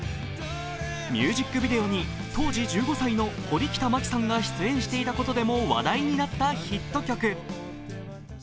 ミュージックビデオに当時１５歳の堀北真希さんが出演していたことでも話題になったヒット曲。